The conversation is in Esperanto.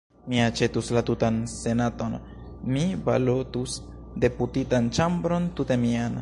Mi aĉetus la tutan senaton; mi balotus deputitan ĉambron tute mian!